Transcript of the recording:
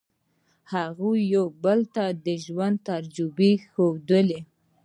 هغوی یو بل ته د ژوند تجربې وښودلې.